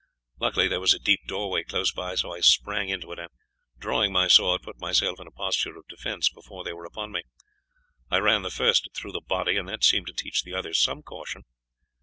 Luckily there was a deep doorway close by, so I sprang into it, and, drawing my sword, put myself in a posture of defence before they were upon me. I ran the first through the body, and that seemed to teach the others some caution.